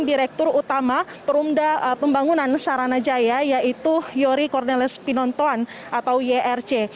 direktur utama perumda pembangunan saranajaya yaitu yori corneles pinontoan atau yrc